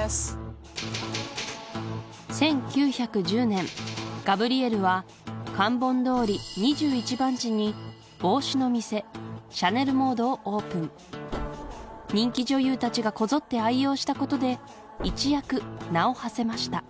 Ｙｅｓ．１９１０年ガブリエルはカンボン通り２１番地に帽子の店『シャネルモード』をオープン人気女優たちがこぞって愛用したことで一躍名をはせました